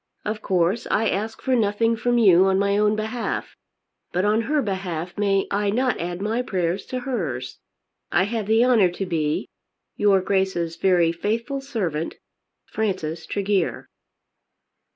Of course I ask for nothing from you on my own behalf, but on her behalf may I not add my prayers to hers? I have the honour to be, Your Grace's very faithful Servant, FRANCIS TREGEAR.